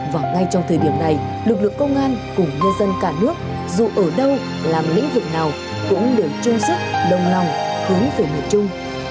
và ngay trong thời điểm này lực lượng công an cùng nhân dân cả nước dù ở đâu làm những việc nào cũng đều chung sức đồng lòng hướng về miền trung